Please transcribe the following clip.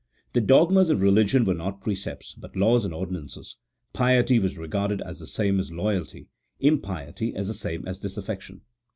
The dogmas of religion were not precepts, but laws and ordinances ; piety was re garded as the same as loyalty, impiety as the same as dis affection.